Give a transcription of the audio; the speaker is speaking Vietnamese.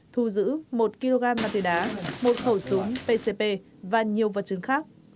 thu giữ một kg mặt tư đá một khẩu súng pcp và nhiều vật chứng khác